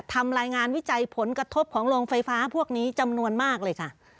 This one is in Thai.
ทำรายงานวิจัยผลกระทบของโรงไฟฟ้าพวกนี้จำนวนมากเลยค่ะ